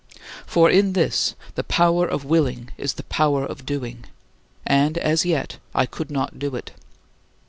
For in this, the power of willing is the power of doing; and as yet I could not do it.